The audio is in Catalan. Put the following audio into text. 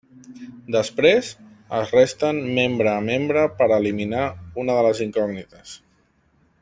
Després, es resten membre a membre per a eliminar una de les incògnites.